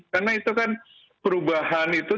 karena itu kan perubahan itu